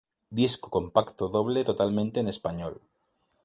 Disco compacto doble totalmente en español.